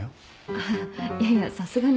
あっいやいやさすがに。